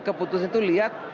keputusan itu lihat